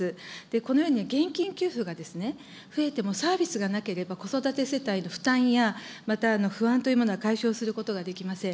このように現金給付が増えても、サービスがなければ子育て世帯の負担や不安というものを解消することはできません。